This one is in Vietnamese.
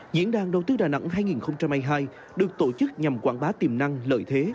diễn đàn đầu tư đà nẵng hai nghìn hai mươi hai được tổ chức nhằm quảng bá tiềm năng lợi thế